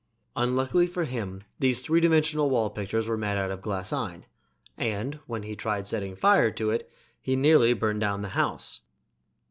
Unluckily for him, these three dimensional wall pictures were made out of glaseine, and when he tried setting fire to it he nearly burned down the house.